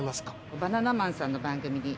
バナナマンさんの番組に。